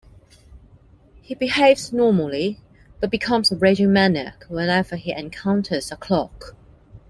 He behaves normally, but becomes a raging maniac whenever he encounters a clock.